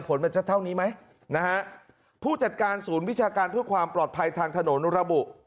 ผลมันจะเท่านี้ไหมนะฮะผู้จัดการศูนย์วิชาการเพื่อความปลอดภัยทางถนนระบุ